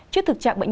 trước thực trạng bệnh